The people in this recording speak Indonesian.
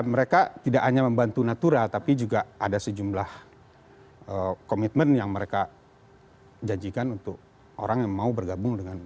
mereka tidak hanya membantu natura tapi juga ada sejumlah komitmen yang mereka janjikan untuk orang yang mau bergabung dengan